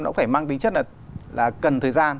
nó phải mang tính chất là cần thời gian